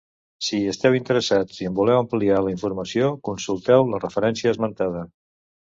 Si hi esteu interessats i en voleu ampliar la informació, consulteu la referència esmentada.